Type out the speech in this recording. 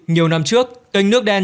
nhiều năm trước kênh nước đen